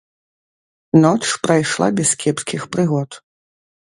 Ноч прайшла без кепскіх прыгод.